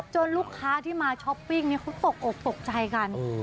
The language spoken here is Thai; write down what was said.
ลูกค้าที่มาช้อปปิ้งเขาตกอกตกใจกัน